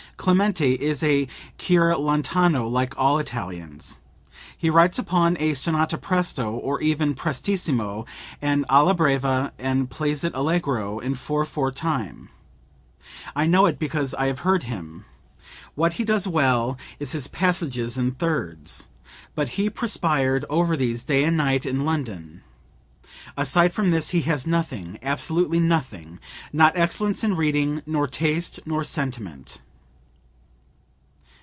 Clementi is a Ciarlatano like all Italians. He writes upon a sonata Presto, or even Prestissimo and alla breve, and plays it Allegro in 4 4 time. I know it because I have heard him! What he does well is his passages in thirds; but he perspired over these day and night in London. Aside from this he has nothing, absolutely nothing; not excellence in reading, nor taste, nor sentiment."